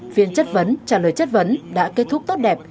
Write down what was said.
phiên chất vấn trả lời chất vấn đã kết thúc tốt đẹp